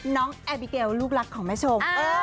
น้องแอบิเกลลูกรักของแม่ชม